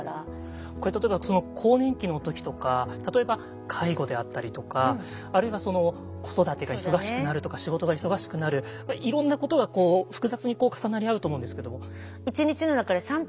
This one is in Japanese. これ例えば更年期の時とか例えば介護であったりとかあるいは子育てが忙しくなるとか仕事が忙しくなるいろんなことがこう複雑に重なり合うと思うんですけども。